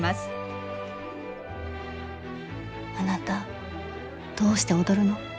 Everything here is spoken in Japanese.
あなたどうして踊るの？